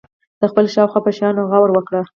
د خپل شاوخوا په شیانو غور وکړي.